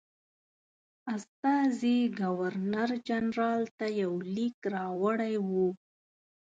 استازي ګورنرجنرال ته یو لیک راوړی وو.